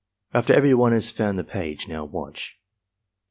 After everyone has found the page — "Now watch."